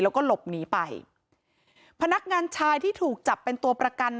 แล้วก็หลบหนีไปพนักงานชายที่ถูกจับเป็นตัวประกัน